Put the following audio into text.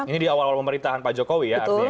ini di awal awal pemerintahan pak jokowi ya artinya